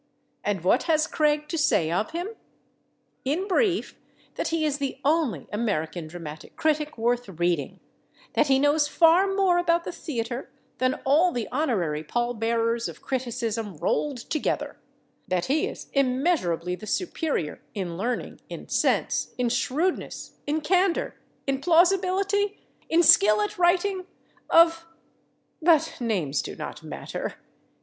And what has Craig to say of him?... In brief, that he is the only American dramatic critic worth reading, that he knows far more about the theater than all the honorary pallbearers of criticism rolled together, that he is immeasurably the superior, in learning, in sense, in shrewdness, in candor, in plausibility, in skill at writing, of— But names do not matter.